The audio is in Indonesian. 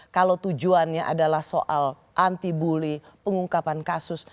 kalau tujuannya adalah soal antibully pengungkapan kasus